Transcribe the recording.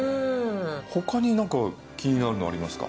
他になんか気になるのありますか？